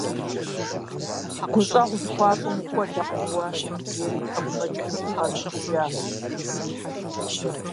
- Гущӏэгъу зыхуащӏым ухуэдэкъым уэ! - жери тхьэкӏумэкӏыхьым ӏуигъэзыкӏыжащ.